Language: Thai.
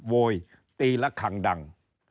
โวยตีละครั้งดัง